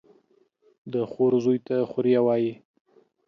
د خور زوى ته خوريه وايي.